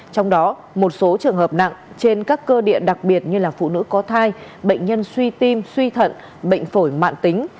trong đó một số trường hợp nặng trên các cơ địa đặc biệt như phụ nữ có thai bệnh nhân suy tim suy thận bệnh phổi mạng tính